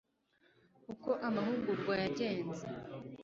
uko amahugurwa yagenze